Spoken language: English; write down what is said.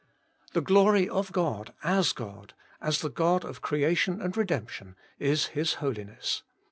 The glory of God as God, as the God of Creation and Redemption, is His Holiness.